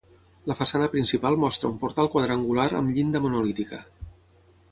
La façana principal mostra un portal quadrangular amb llinda monolítica.